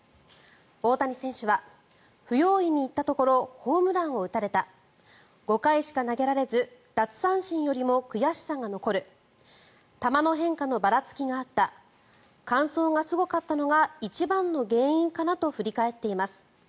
大谷選手は不用意に行ったところホームランを打たれた５回しか投げられず奪三振よりも悔しさが残る球の変化のばらつきがあった乾燥がすごかったのが一番の原因かなと振り返っています。